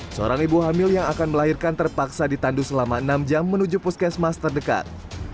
seorang ibu hamil yang akan melahirkan terpaksa ditandu selama enam jam menuju puskesmas terdekat